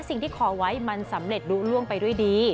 สิ่งที่ขอไว้มันสำเร็จลุ้งไปด้วยดี